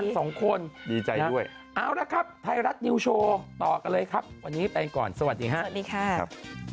สวัสดีครับ